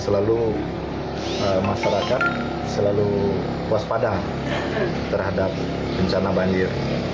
selalu masyarakat selalu puas pada terhadap bencana banjir